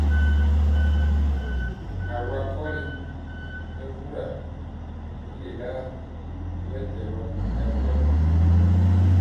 Awa kɔli mɛbura i lelaa ri mɛtɛgɔ akyegi.